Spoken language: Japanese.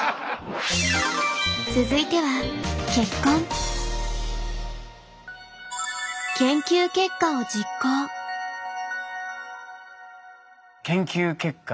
続いては「研究結果を実行」。